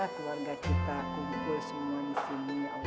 keluarga kita kumpul semua di sini ya allah